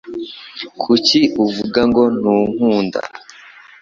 Kuki uvuga ngo ntunkunda